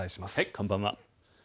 こんばんは。